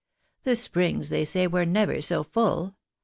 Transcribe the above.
The springs, they say, were never so full.